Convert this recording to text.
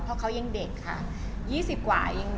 เพราะเขายังเด็กค่ะยี่สิบกว่ายัง